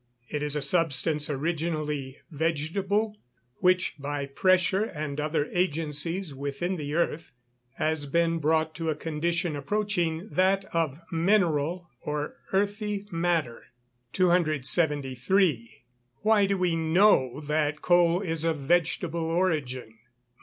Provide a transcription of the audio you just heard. _ It is a substance originally vegetable, which, by pressure and other agencies within the earth, has been brought to a condition approaching that of mineral or earthy matter. 273. _Why do we know that coal is of vegetable origin?